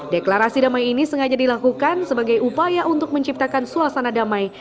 deklarasi damai ini sengaja dilakukan sebagai upaya untuk menciptakan suasana damai